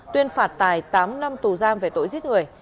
tuyên phạt tài tám năm tù giam về tội giết người